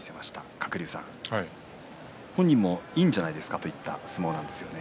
鶴竜さん、本人もいいんじゃないですかといった相撲なんですよね。